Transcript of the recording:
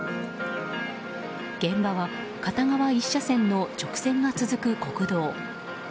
現場は片側１車線の直線が続く国道。